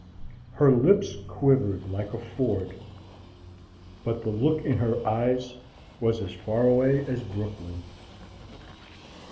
Her lips quivered like a ford, but the look in her eyes was as far away as Brooklyn.